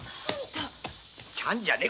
ちゃんじゃね